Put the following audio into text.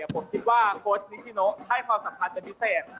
ผมคิดว่าโค้ชนิชิโนให้ความสำคัญเป็นพิเศษ